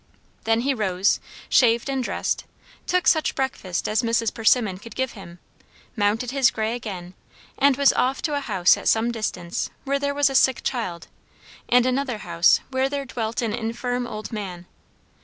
Then he rose, shaved and dressed, took such breakfast as Mrs. Persimmon could give him; mounted his grey again, and was off to a house at some distance where there was a sick child, and another house where there dwelt an infirm old man.